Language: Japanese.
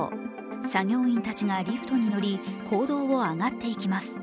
作業員たちがリフトに乗り坑道を上がっていきます。